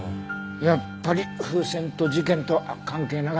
やっぱり風船と事件とは関係なかったね。